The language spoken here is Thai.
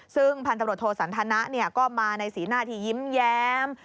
ซึ่งพันธบริโรทโทสันธนะก็มาในศีลหน้าที่ยิ้มแย้ม